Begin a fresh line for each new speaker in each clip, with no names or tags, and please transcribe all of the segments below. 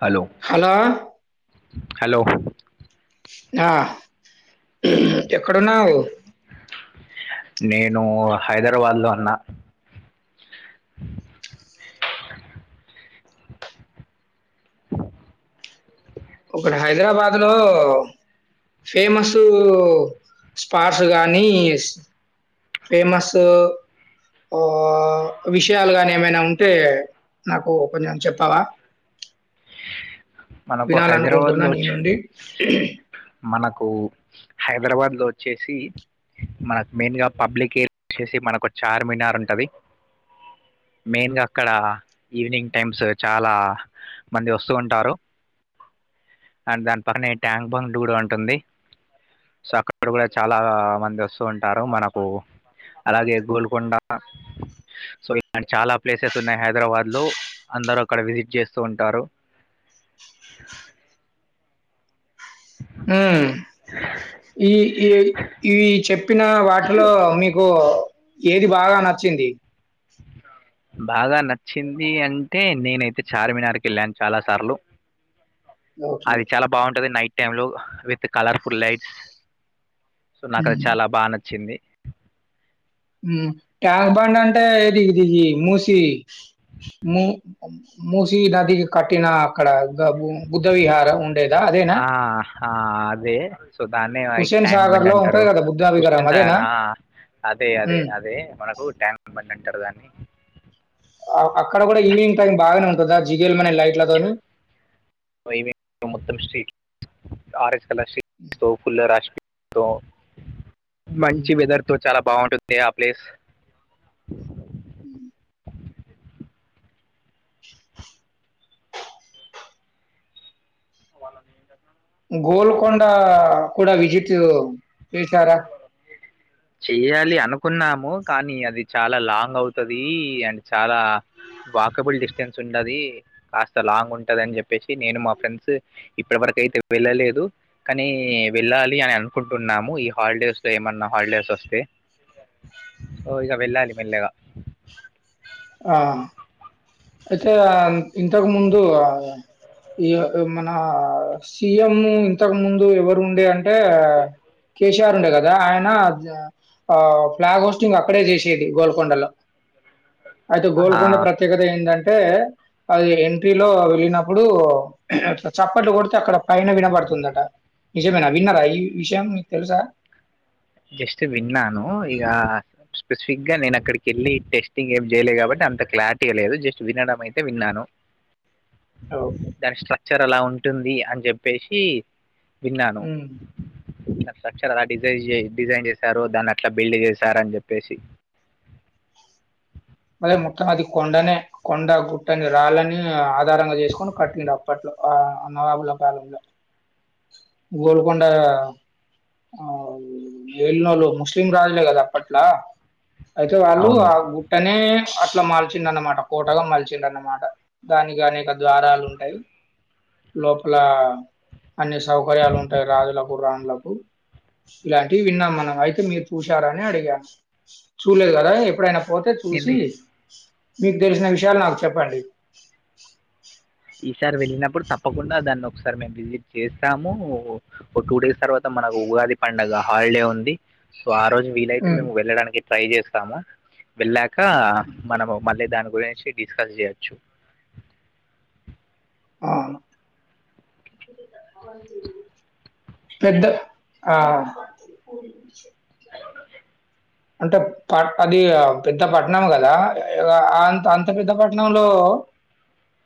Hello
hello
hello
ఆ ఎక్కడున్నావు
నేను హైదరాబాద్ లో అన్నా
ఒకటి హైదరాబాద్ లో ఫేమస్ స్పార్స్ గానీ ఫేమస్ ఆ విషయాలు గాని ఏమైనా ఉంటే నాకు కొంచెం చెప్తావా
మనకు
వినాలనుకుంటున్నా
హైదరాబాద్లో
నీ
వచ్చి
వండి
మనకు హైదరాబాద్లో వచ్చేసి మనకు మెయిన్గా పబ్లిక్ ఏరియా వచ్చేసి మనకు చార్మినార్ ఉంటది మెయిన్గా అక్కడ ఈవినింగ్ టైమ్స్ చాలా మంది వస్తూ ఉంటారు అండ్ దాని పక్కనే ట్యాంక్ బంగ్డ్ కూడా ఉంటుంది సో అక్కడ కూడా చాలా మంది వస్తూ ఉంటారు మనకు అలాగే గోల్కొండ సో ఇలాంటి చాలా ప్లేసెస్ ఉన్నాయి హైదరాబాద్లో అందరూ అక్కడ విజిట్ చేస్తూ ఉంటారు
ఆ ఈ ఈ చెప్ చెప్పిన వాటిలో మీకు ఏది బాగా నచ్చింది
బాగా నచ్చింది అంటే నేనైతే చార్మినార్కి వెళ్ళాను చాలా సార్లు
ఓకే.
అది చాలా బాగుంటది నైట్ టలో విత్ కలర్ఫుల్ లైట్స్ సో నాకు అది
హ్మ్.
చాలా బాగా నచ్చింది
ట్యాంక్ బండ్ అంటే ఏది ఇది మూసి ము మూసి నదికి కట్టిన అక్కడ దగ బుద్ధ విహారం ఉండేదా అదేనా
ఆ! ఆ అదే సో దాన్నే హైట్
హుస్సేన్
ట్యాంక్
సాగర్
బండ్
లో ఉంటది
అంటారు
కదా బుద్ధ విహారం
హుస్సేన్
అదేనా
సాగర అదే అదే
ఉమ్
అదే మనకు ట్యాంక్ బండ్ అంటారు దాన్ని
ఆ అక్కడ కూడా ఈవినింగ్ టైమ్ బాగానే ఉంటుందా జిగేల్ మనెల్
[unintelligible] మొత్తం స్ట్రీట్ కారేస్ క శస్త ఫుల్ల రాష్ట్ర తో
ఉమ్.
మంచి వెదర్ తో చాలా బాగుంటుంది ఆ ప్లేస్
మ్మ్
వాళ్ళని ఏంట
గోల్కొండ కూడా విజిట్ చేసారా
చెయ్యాలి అనుకున్నాము కానీ అది చాలా లాంగ్ అవుతది అండ్ చాలా వాకబుల్ డిస్టెన్స్ ఉండది కాస్త లాంగ్ ఉంటది అని చెప్పేసి నేను మా ఫ్రెండ్స్ ఇప్పటి వరకు అయితే వెళ్ళలేదు కానీ వెళ్ళాలి అని అనుకుంటున్నాము ఈ హాలిడేస్ లో ఏమన్నా హాలిడేస్ వస్తే సో ఇక వెళ్ళాలి మెల్లగా
ఆ అయితే ఇంతకు ముందు ఇగ మన సి ఎం ఇంతకు ముందు ఎవరు ఉండే అంటే టే కే సీ ఆర్ ఉండే కదా ఆయన అబ్జా ఆ ఫ్లాగ్ హోస్టింగ్ అక్కడే చేసేది గోల్కొండలో అయితే
ఆ!
గోల్కొండ ప్రత్యేకత్ ఏంటంటే అది ఎంట్రీలో వెళ్ళినప్పుడు చప్పట్లు కొడితే అక్కడ పైన వినబడుతుందట నిజమేనా విన్నారా ఈ విషయం మీకు తెలుసా
జస్ట్ విన్నాను ఇక స్పెసిఫిక్గా నేను అక్కడికి వెళ్ళి టెస్టింగ్ ఏం చేయలేదు కాబట్టి అంత క్లారిటీ లేదు జస్ట్ వినడం అయితే విన్నాను.
ఓకే.
దాని స్ట్రక్చర్ ఎలా ఉంటు టుంది అని చెప్పేసి విన్నాను
హ్మ్.
ఆ స్ట్రక్చర్ డిజైన్ చే డిజైన్ చేశారు దాన్ని అట్లా బిల్డ్ చేశారని చెప్పేసి
అదే మొత్తం అది కొండనే కొండ గుట్టని రాలని ఆధారంగా చేసుకొని కట్టుటికుడు అప్పట్లో ఆ నవాబుల కాలంలో గోల్కొండ ఆ ఏలినోలుు ముస్లిం రాజులే కదా అప్పట్లా అయితే వాళ్ళు
అవును
ఆ గు డనే అట్లా మల్చిండ అనమాట కోటగా మల్చిండ అనమాట దానికి అనేక ద్వారాలు ఉంటాయి. లోపల అన్ని సౌకర్యాలు ఉంటాయి రాజులకు రాణిలకు ఇలాంటివి విన్నాం మనం అయితే మీరు చూశారని అడిగాను చూలేదు కదా ఎప్పుడైనా పో చూసి
ఏంది
మీకు తెలిసిన విషయాలు నాకు చెప్పండి
ఈసారి వెళ్ళినప్పుడు తప్పకుండా దాన్ని ఒకసారి మేము విజిట్ చేస్తాము ఒక ఓ టూ డేస్ తర్వాత మనకు ఉగాది పండగ హాలిడే ఉంది సో ఆ రోజు వీలైతే
ఉమ్,
మేము వెళ్ళడానికి ట్రై చేస్తాము వెళ్ళక్ కా మనము మళ్ళీ దాని ఓర్రయించి డిస్కస్ చేయచ్చు
అవును పెద్ద ఆ అంటే ప అది పెద్ద పట్నం గాదా ఆ అంత అంత పెద్ద పట్నంలో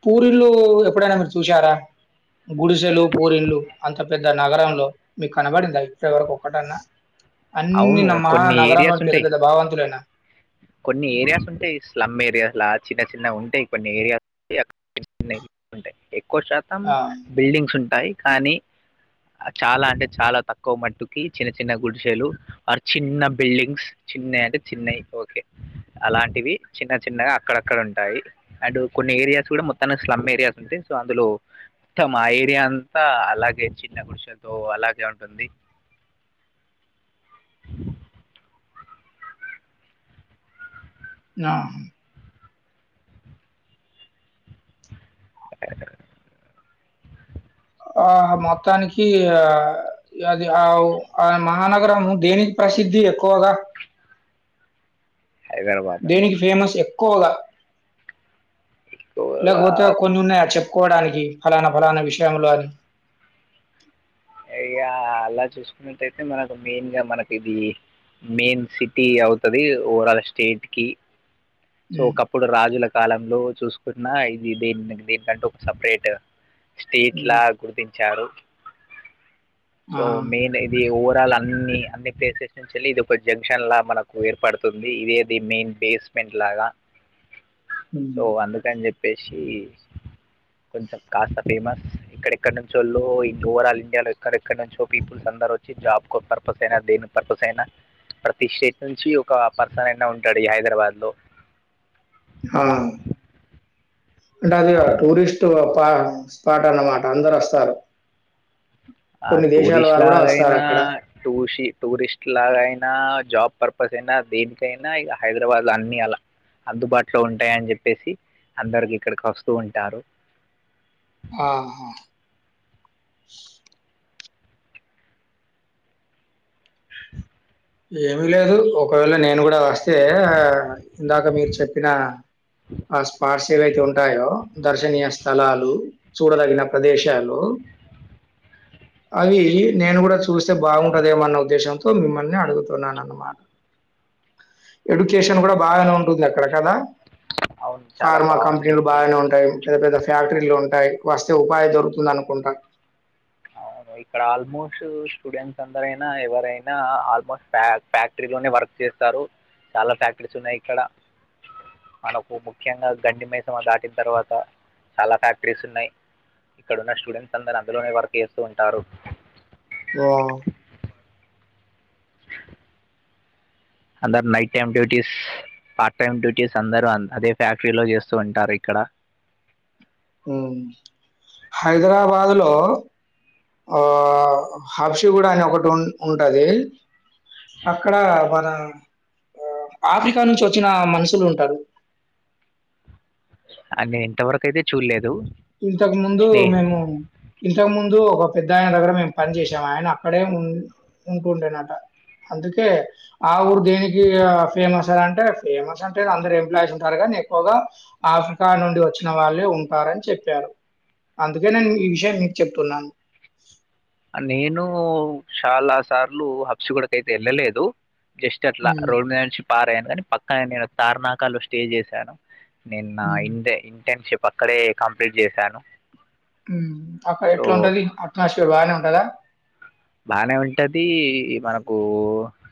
పూరిళ్లు ఎప్పుడైనా మీరు చూసారా. గుడిసెలు పూరిళ్లు అంత పెద్ద నగరంలో మీకు కనబడిందా ఇప్పటివరకు ఒక్కటన్నా అన్ని
అవును
నమ్మ
కొన్ని
నగరంలో
ఏరియాస్ ఉంటాయి. కొన్ని ఏరియాస్ ఉంటాయి. స్లమ్ ఏరియాస్ లా చిన్న చిన్న ఉం ఉంటాయి కొన్ని ఏరియాస్ కి అట్ [unintelligible] వున్నాయ్ ఉంటాయి ఏ ఎక్కువ శాతం
ఆ
బిల్డింగ్స్ ఉంటాయి.
హ్మ్.
కానీ చాలా అంటే చాలా తక్కువ మట్టుకి చిన్న చిన్న గుడిసెలు ఆర్ చిన్న బిల్డింగ్స్ చిన్నయి అంటే చిన్నయి ఓకే అలాంటివి చిన్న చిన్నగా అక్కడక్కడ ఉంటాయి. అండ్ కొన్ని ఏరియాస్ కూడా మొత్తాన్ని స్లమ్ ఏరియాస్ ఉంటాయి. సో అందులో మొత్తం ఆ ఏరియా అంతా అలాగే చిన్న గుడిషతో అలాగే ఉంటుంది.
[unintelligible] ఆహా మొత్తానికి ఆ అది ఆ వు ఆ మహానగరము దేనికి ప్రసిద్ధి ఎక్కువగా
హైదరాబాద్
దేనికి ఫేమస్ ఎక్ క్కువగా
ఎక్కువగా
లేకపోతే కొనున్నాయ చెప్ కోవడానికి ఫలానా ఫలానా విషయంలో అని
ఇగ అలా చూసుకున్నటయితే మనకు మెయిన్ గా మనకి ఇది మెయిన్ సిటీ అవుతది. ఓవరాల్ స్టేట్ కి సో
హ్మ్.
ఒకప్పుడు రాజుల కాలంలో చూస్ ఇప్పుడున్న ఇది దేన్ దేనికంటే ఒక సపరేట్ స్టేట్
హ్మ్.
లగా గుర్తించారు
ఆ!
సో మెయిన్ ఇది ఓవర్ త అన్ని అన్ని ప్లేసెస్ నుంచేళ్ళి ఇది ఒక జంక్షన్ లా మనకు ఏర్పడుతుంది. ఇదే ది మెయిన్ బేస్మెంట్ లాగ సో
హ్మ్.
అందుకని చెప్ ఏషి కొంచెం కాస్త ఫేమస్ ఎక్కడెక్కడ నుంచోల్లో ఓవరల్ ఇండియాలో ఎక్కడెక్కడ నుంచో పీపుల్స్ అందరు వచ్చి జాబ్ పర్పస్ అయినా దేని పర్పస్ అయినా ప్రతి స్టేట్ నుంచి ఒక పర్సన్ అయినా ఉంటాడు. ఈ హైదరాబాద్ లో
హ అంటే అది
అవును
టూరిస్ట్ ఆ స్పాట్ అన్నమాట అందరు వోస్తారు.
ఆ టూరిస్ట్ లాగైనా
వస్తారక్కడ.
టూషి టూరిస్ట్ లాగైనా ఆ జాబ్ పర్పస్ అయినా దేనికైనా ఇగ హైదరాబాద్ అన్ని అలా అందుబాటులో ఉంటాయని చెప్పేసి అందరికి ఇక్కడికి వస్తూ ఉంటారు.
ఆహ ఏమి లేదు ఒకవేళ నేను కూడా వస్తే ఆ ఇందాక మీరు చెప్పిన ఆ స్పాట్ ఏవైతే ఉంటాయో దర్శనీయ స్థలాలు చూడదగిన ప్రదేశాలు అవి నేను కూడా చూస్తే బాగుంటదేమన్న ఉద్దేశంతో మిమ్మల్ని అడుగుతున్నా అన్నమాట ఎడ్యుకేషన్ కూడా బాగానే ఉంటుంది. అక్కడ కదా
అవును చాలా
ఫార్మా కంపెనీలు
బాగుంటుంది
బాగానే ఉంటాయి పెద్ద పెద్ద ఫ్యాక్టరీలు వస్తే ఉపాయం దొరుకుతుంది అనుకుంటా
అవును ఇక్కడ ఆల్మోస్ట్ స్టూడెంట్స్ అందరైనా ఎవరైనా ఆల్మోస్ట్ ఫ ఫ్యాక్టరీలోనే వర్క్ చేస్తారు చాలా ఫ్యాక్టరీస్ ఉన్నాయి ఇక్కడ మనకు ముఖ్యంగా గండి మైసమ్మ దాటిన తర్వాత చాలా ఫ్యాక్టరీస్ ఉన్నాయి ఇక్కడ ఉన్న స్టూడెంట్స్ అందరు అందులోనే వర్క్ చేస్తూ ఉంటారు
వా
అందరు night time duties part time duties అందరూ అదే ఫ్యాక్టరీలో చేస్తూ ఉంటారు ఇక్కడ
ఉ హైదరాబాద్ లో ఆ హఫషిగూడ అని ఒకటి ఉ ఉంటది అక్కడ మన ఆ ఆఫ్రికా నుంచి వచ్చిన మనుషులు ఉంటారు
అని ఇంతవరకు అయితే చూడలేదు
ఇంతకు ముందు
నే
మేము ఇంతకు ముందు ముందు ఒక పెద్ద ఆయన దగ్గర మేము పని చేసాం ఆయన అక్కడే ఉ ఉంటుండేనట అందుకే ఆ ఊరు దేనికి ఫేమస్ అ అంటే ఫేమస్ అంటే అందరు ఎంప్లాయీస్ ఉంటారు కానీ ఎక్కువగా ఆఫ్రికా నుండి వచ్చిన వాళ్ళే ఉంటారుని చెప్ప చెప్పారు అందుకే నేను ఈ విషయం మీకు చెప్తున్నాను
నేను చాలా సార్లు హబ్సీ గూడ కయితే వెళ్ళలేదు జస్ట్ అట్లా
ఉమ్
రోడ్ మీద పారయను కానీ పక్కనే నేను తార్నాకాలు స్టే చేశాను నిన్న
ఉమ్
ఇంతే ఇంటర్న్షిప్ అక్కడే కంప్లీట్ చేశాను
ఉమ్ అక్కడ
సో
ఎట్లా ఉంటది అట్మాస్ఫియర్ బాగానే ఉంటదా
బానే ఉంటది మనకు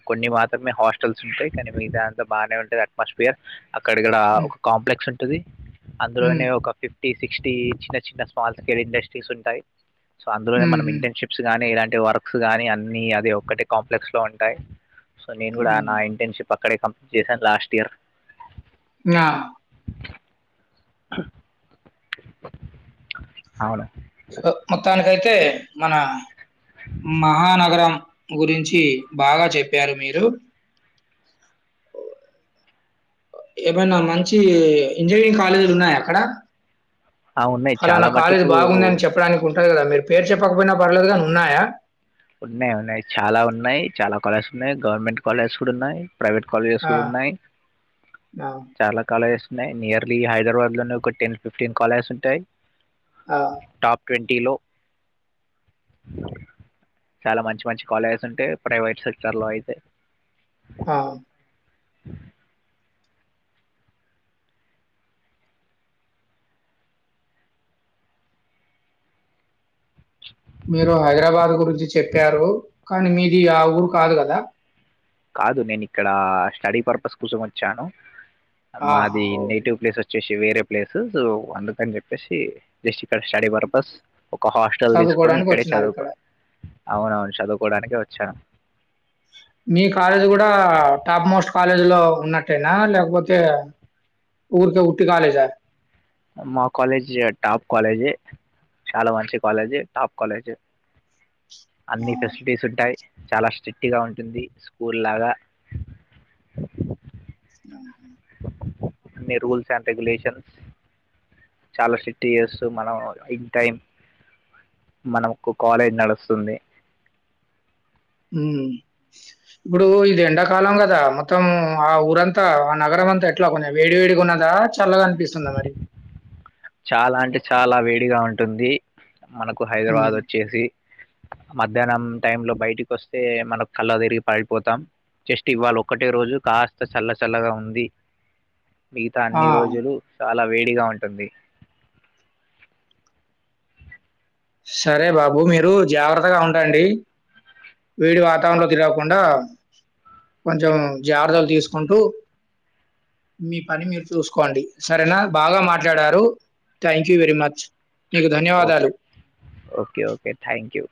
కొన్ని మాత్రమే హాస్టల్స్ ఉంటాయి కానీ మిగతాదంతా బాగానే ఉంటది అట్మాస్ఫియర్ అక్కడక్కడ
ఉమ్
ఒక కాంప్లెక్స్ ఉంట
ఉమ్
అందులోనే ఒక ఫ ఫిఫ్టీ సిక్స్టీ చిన్న చిన్న స్మాల్ స్కేల్ ఇండస్ట్రీస్ ఉంటాయి సో అందులోనే
ఉమ్
మనం
ఉమ్
ఇంటర్న్షిప్స్ గానీ ఇలాంటి [unintelligible] బుక్స్ గాని అన్నిీ అది ఒక్కటి కాంప్లెక్స్ లో ఉంటాయి సో నేను కూడా నా
ఉమ్
ఇంటర్న్షిప్ అ అక్కడే కంప్లీట్ చేశాను లాస్ట్ ఇయర్
ఆ
అవునా
సో మొత్తానికై తే మన మహానగరం గురించి బాగా చెప్పారు మీరు ఏమైనా మంచి ఇంజనీరింగ్ కాలేజీలు ఉన్నాయా అక్కడ
ఆ, ఉన్నాయి చాలా
ఫలానా కాలేజ్
మటుకు
బాగుంది అని చెప్పడానికి ఉంటారు కదా మీరు పేరు చెప్పకపోయినా పర్లేదు కాని ఉన్నాయా
ఉన్నాయి ఉన్నాయి చాలా ఉన్నాయి చాలా కాలేజెస్ ఉన్నాయి. గవర్నమెంట్ కాలేజ్స్ కూడా ఉన్నాయి. ప్రైవేట్ కాలేజెస్
ఆ!
కూడా ఉన్నాయి
ఆ!
చాలా కాలేజెస్ ఉన్నాయి నియర్లీ హైదరాబాద్ లోనే ఒక టెన్ ఫిఫ్టీన్ కాలేజస్ ఉంటాయి
ఆ!
టాప్ ట్వన్ టిలో చాలా మంచి మంచి కాలేజెస్ ఉంటాయి. ప్రైవేట్ సెక్టర్ లో అయితే,
ఆ మీరు హైదరాబాద్ గురించి చెప్పారు కానీ మీది ఆ ఊరు కాదు కదా
కాదు నేను ఇక్కడ స్టడీ పర్పస్ కోసం వచ్చాను
ఆహా!
మాది
ఓకే.
నెటివ్ ప్లేస్ వచ్చేసి వేరే ప్లేసేస్ అందుకని చెప్పేసి జస్ట్ ఇక్కడ స్టడీ పర్పస్ ఒక హాస్టల్ తీసుకొని ఇక్కడే
చదువుకోవడానికొచ్చినారిక్కడ.
చదువుతను అవునవును చదువుకోవడానికే వచ్చాను
మీ కాలేజ్ కూడా టాప్ మోస్ట్ కాలేజీ లో ఉన్నట్టేనా, లేకపోతే ఊరికే ఉట్టి కాలేజా?
మా కాలేజ్ టాప్ కాలేజ్ చాలా మంచి కాలేజి టాప్ కాలేజ్
ఆ!
అన్ని ఫెసిలిటీస్ ఉంటాయి చాలా స్ట్రిక్ట్ గా ఉంటుంది స్కూల్ లాగా
[inaudible]
అన్ని రూల్స్ అండ్ రెగ్యులేషన్స్ చాలా స్ట్రిక్ట్ చేస్తూ మనం ఇన్ టైం మనకు కాలేజ్ నడుస్తుంది
ఉమ్ ఇప్పుడు ఇది ఎండాకాలం కదా మొత్తం ఆ ఊరంతా ఆ నగరం అంతా ఎట్లా కొంచం వేడి వేడిగా ఉన్నదా చ చల్లగా అనిపిస్తుందా మరి
చాలా అంటే చాలా వేడిగా ఉంటుంది మనకు
హ్మ్.
హైదరాబాద్ ఓచ్చేసి మధ్యాహ్నం టైంలో బయటకి వస్తే మనం కళ్ళ తిరిగి పడిపోతాం. జస్ట్ ఇవ్వవాల ఒకటే రోజు కాస్త చల్ల చల్లగా ఉంది మిగతా
ఆ!
అన్ని రోజులు చాలా వేడిగా ఉంటుంది
సరే బాబు మీరు జాగ్రత్తగా ఉండండి వేడి వాతావరణంలో తిరగకుండా కొంచెం జాగ్రతలు తీసుకుంటూ మీ పని మీరు చూసుకోండి సరేనా, బాగా మాట్లాడారు థ్యాంక్ యూ వెరీ మచ్. మీకు ధన్యవాదాలు.
Okay okay okay thank you